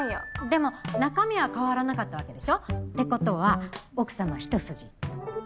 でも中身は変わらなかったわけでしょ？ってことは奥さま一筋？